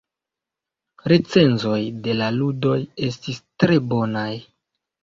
Recenzoj de la ludoj estis tre bonaj.